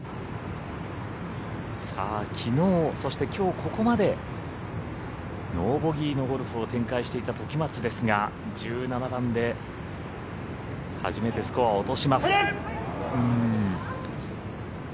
きのう、そして、きょうここまでノーボギーのゴルフを展開していた時松ですが１７番で初めてスコアを落とします。